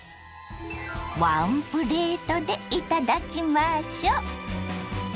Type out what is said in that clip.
ワンプレートでいただきましょ。